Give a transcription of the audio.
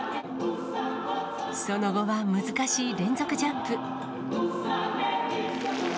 その後は難しい連続ジャンプ。